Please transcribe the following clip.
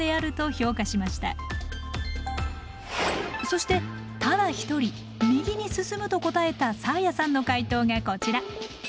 そしてただ一人右に進むと答えたサーヤさんの解答がこちら。